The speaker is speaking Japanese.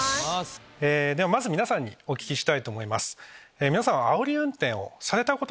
まず皆さんにお聞きしたいと思います。